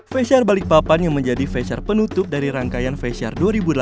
fesyar balikpapan yang menjadi fesyar penutup dari rangkaian fesyar dua ribu delapan belas